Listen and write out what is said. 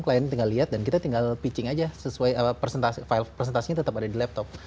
klien tinggal lihat dan kita tinggal pitching aja sesuai file presentasinya tetap ada di laptop